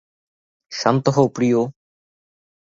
শান্ত হও, প্রিয়ে।